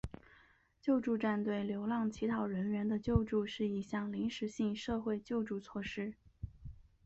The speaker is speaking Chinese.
救助站对流浪乞讨人员的救助是一项临时性社会救助措施。